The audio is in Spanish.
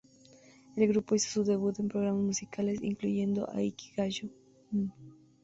El grupo hizo su debut en programas musicales incluyendo a "Inkigayo", "M!